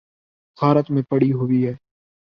غارت میں پڑی ہوئی ہے۔